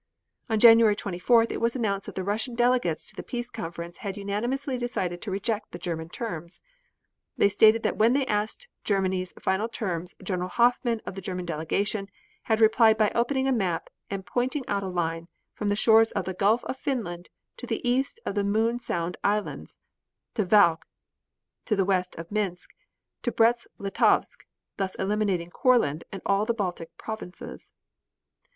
On January 24th it was announced that the Russian delegates to the peace conference had unanimously decided to reject the German terms. They stated that when they asked Germany's final terms General Hoffman of the German delegation had replied by opening a map and pointing out a line from the shores of the Gulf of Finland to the east of the Moon Sound Islands, to Valk, to the west of Minsk, to Brest Litovsk, thus eliminating Courland and all the Baltic provinces.